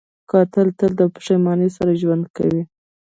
قاتل تل د پښېمانۍ سره ژوند کوي